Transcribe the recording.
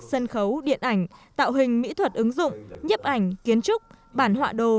sân khấu điện ảnh tạo hình mỹ thuật ứng dụng nhếp ảnh kiến trúc bản họa đồ